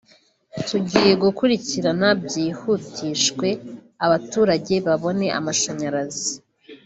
tugiye gukurikirana byihutishwe abaturage babone amashanyarazi”